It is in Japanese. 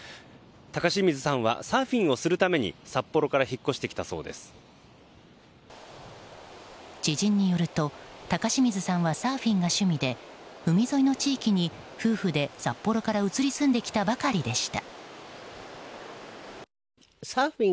高清水さんはサーフィンをするために知人によると高清水さんはサーフィンが趣味で海沿いの地域に夫婦で札幌から移り住んできたばかりでした。